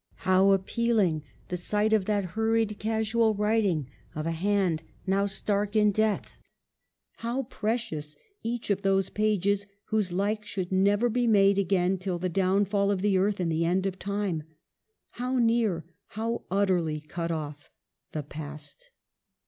How appealing the sight of that hurried, casual writing of a hand now stark in death ! How precious each of those pages whose like should never be made again till the downfall of the earth in the end of time ! How near, how utterly cut off, the Past